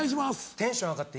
テンション上がって。